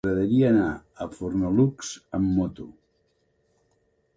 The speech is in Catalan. M'agradaria anar a Fornalutx amb moto.